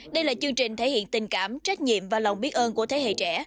đây là chương trình thể hiện tình cảm trách nhiệm và lòng biết ơn của thế hệ trẻ